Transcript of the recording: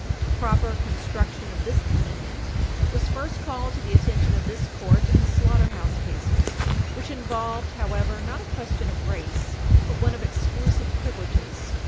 The proper construction of this amendment was first called to the attention of this court in the Slaughterhouse Cases, 16 Wall. 36, which involved, however, not a question of race, but one of exclusive privileges.